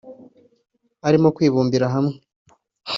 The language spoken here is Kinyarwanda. arimo kwibumbira hamwe